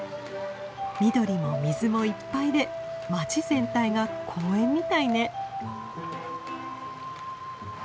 緑も水もいっぱいで街全体が公園みたいね。